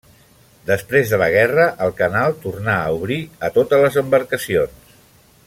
Després de la guerra el canal tornà a obrir a totes les embarcacions.